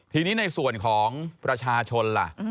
ทีนี้ในส่วนของประชาชนล่ะ